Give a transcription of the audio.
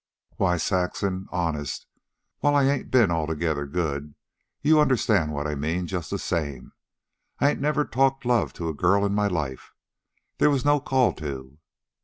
Why, Saxon, honest, while I ain't ben altogether good you understand what I mean just the same I ain't never talked love to a girl in my life. They was no call to."